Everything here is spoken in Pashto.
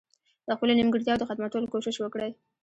د خپلو نيمګړتياوو د ختمولو کوشش وکړي.